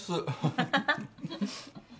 ハハハッ。